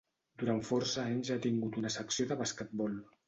Durant força anys ha tingut una secció de basquetbol.